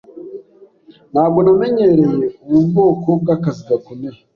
Ntabwo namenyereye ubu bwoko bw'akazi gakomeye.